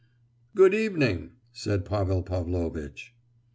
"Good evening," said Pavel Pavlovitch.